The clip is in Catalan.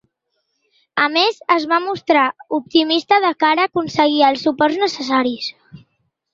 A més, es va mostrar optimista de cara a aconseguir els suports necessaris.